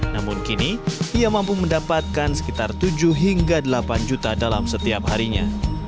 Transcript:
namun kini ia mampu mendapatkan sekitar tujuh hingga delapan juta dalam setiap harinya